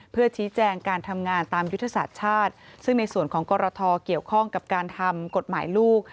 เพื่อชี้แจงการทำงานตามยุทธศาสตร์ชาติซึ่งในส่วนของกรทเกี่ยวข้องกับการทำกฎหมายลูก